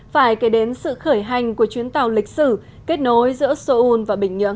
phải kể đến sự khởi hành của chuyến tàu lịch sử kết nối giữa seoul và bình nhưỡng